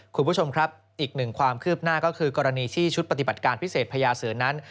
คุณผู้ชมครับอีกหนึ่งความคืบหน้าก็คือกรณีที่ชุดปฏิบัติการพิเศษพญาเสือนั้น